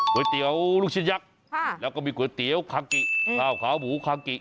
ก๋วยเตี๋ยวลูกชิ้นยักษ์แล้วก็มีก๋วยเตี๋ยวคางกิข้าวขาวหมูคางกิ